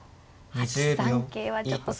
８三桂はちょっと筋が。